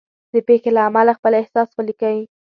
د پېښې له امله خپل احساس ولیکئ.